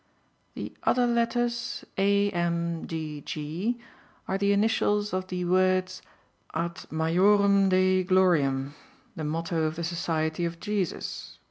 The other letters, A.M.D.G., are the initials of the words Ad Majorem Dei Gloriam the motto of the Society of Jesus.